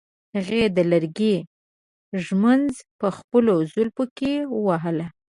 هغې د لرګي ږمنځ په خپلو زلفو کې وهله.